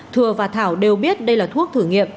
thừa và thảo đều biết đây là thuốc thử nghiệm